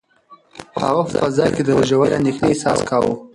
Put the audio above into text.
هغه په فضا کې د ژورې اندېښنې احساس کاوه.